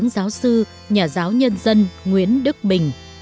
giáo sư nhà giáo nhân dân nguyễn đức bình